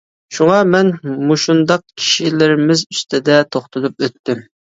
شۇڭا مەن مۇشۇنداق كىشىلىرىمىز ئۈستىدە توختىلىپ ئۆتتۈم.